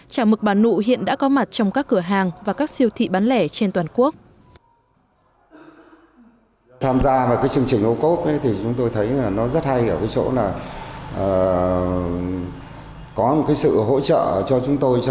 chả mực bà nụ hiện đã có mặt trong các cửa hàng và các siêu thị bán lẻ trên toàn quốc